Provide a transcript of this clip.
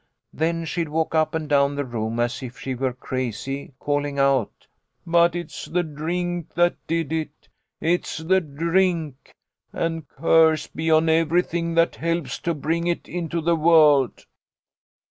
' Then she'd walk up and down the room as if she were crazy, calling out, But it's the drink that did it ! It's the drink, and a curse be on everything that helps to bring it into the world.'